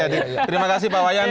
terima kasih pak wayan